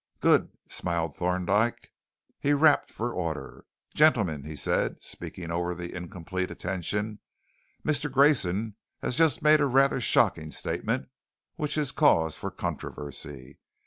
"Good!" smiled Thorndyke. He rapped for order. "Gentlemen," he said, speaking over the incomplete attention, "Mister Grayson has just made a rather shocking statement, which is cause for controversy.